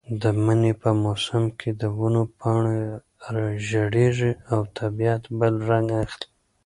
د مني په موسم کې د ونو پاڼې ژېړېږي او طبیعت بل رنګ اخلي.